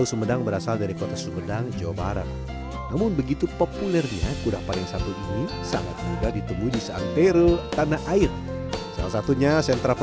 sampai jumpa di video selanjutnya